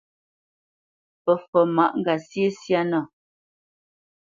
Fǝfot máʼ ŋgasyé na syâ.